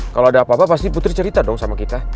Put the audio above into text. kalau ada apa apa pasti putri cerita dong sama kita